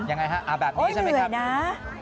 ยังไงครับแบบนี้ใช่ไหมครับโอ๊ยเหนื่อยนะ